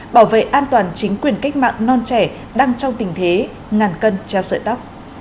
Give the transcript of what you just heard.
bảo vệ an toàn chính quyền cách mạng non trẻ đang trong tình thế ngàn cân treo sợi tóc